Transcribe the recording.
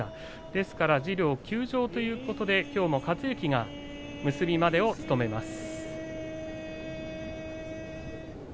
ですから次郎、休場ということで、きょうも克之が結びまで務めます。